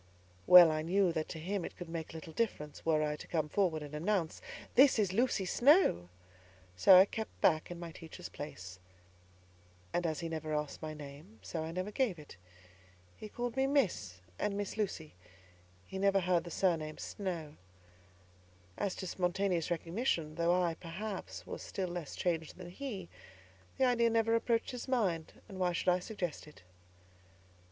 Well I knew that to him it could make little difference, were I to come forward and announce, "This is Lucy Snowe!" So I kept back in my teacher's place; and as he never asked my name, so I never gave it. He heard me called "Miss," and "Miss Lucy;" he never heard the surname, "Snowe." As to spontaneous recognition—though I, perhaps, was still less changed than he—the idea never approached his mind, and why should I suggest it?